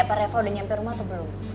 apa revo udah nyampe rumah atau belum